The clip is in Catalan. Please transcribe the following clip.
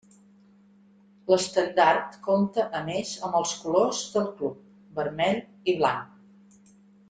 L'estendard compta a més amb els colors del club, vermell i blanc.